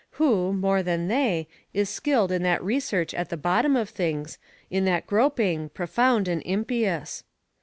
Who, more than they, is skilled in that research at the bottom of things, in that groping, profound and impious?